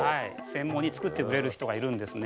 専門に作ってくれる人がいるんですね。